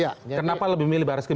kenapa lebih memilih baris krim